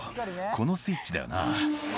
「このスイッチだよな」